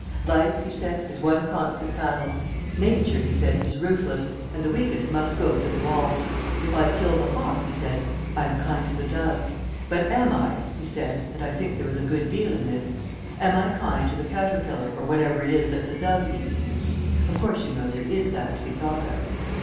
"Life," he said, "is one constant battle. Nature," he said, "is ruthless, and the weakest must go to the wall. If I kill the hawk," he said, "I am kind to the dove, but am I," he said, and I think there was a good deal in this "am I kind to the caterpillar or whatever it is that the dove eats?" Of course, you know, there is that to be thought of.